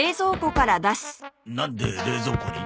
なんで冷蔵庫に？